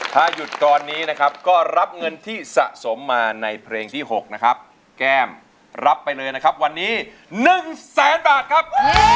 ถ้าหยุดตอนนี้นะครับก็รับเงินที่สะสมมาในเพลงที่๖นะครับแก้มรับไปเลยนะครับวันนี้๑แสนบาทครับ